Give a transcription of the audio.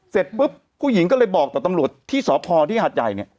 เสร็จปุ๊บผู้หญิงก็เลยบอกต่อตำรวจที่สพที่หาดใหญ่เนี่ย